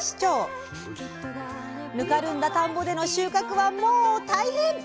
ぬかるんだ田んぼでの収穫はもう大変！